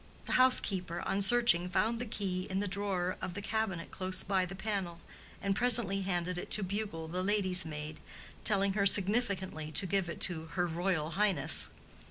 The housekeeper on searching found the key in the drawer of the cabinet close by the panel, and presently handed it to Bugle, the lady's maid, telling her significantly to give it to her Royal Highness.